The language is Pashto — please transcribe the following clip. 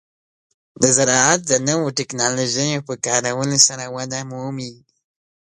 د زراعت د نوو ټکنالوژیو په کارولو سره وده مومي.